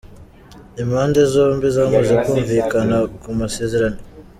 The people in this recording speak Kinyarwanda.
Impande zombi zamaze kumvikana ku masezerano.